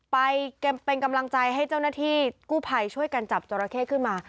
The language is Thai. ไปเป็นกำลังใจให้เจ้าหน้าที่กู้ภัยช่วยกันจับจราเข้ขึ้นมา